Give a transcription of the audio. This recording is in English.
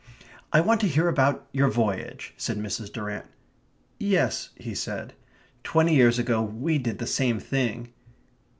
"I want to hear about your voyage," said Mrs. Durrant. "Yes," he said. "Twenty years ago we did the same thing."